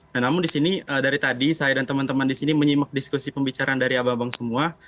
nah namun disini dari tadi saya dan teman teman disini menyimak diskusi pembicaraan dari abang abang semua